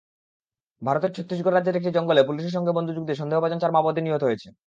ভারতের ছত্তিশগড় রাজ্যের একটি জঙ্গলে পুলিশের সঙ্গে বন্দুকযুদ্ধে সন্দেহভাজন চার মাওবাদী নিহত হয়েছে।